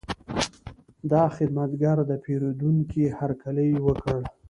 دا خدمتګر د پیرودونکي هرکلی وکړ.